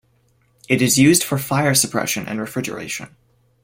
It is used for fire suppression and refrigeration.